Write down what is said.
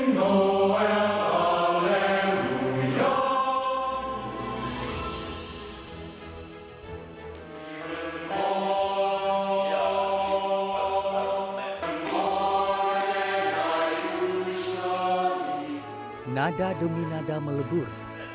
nada demi nada melebur